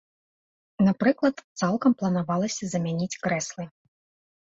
Напрыклад, цалкам планавалася замяніць крэслы.